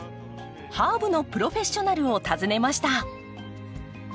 ハーブのプロフェッショナルを訪ねました。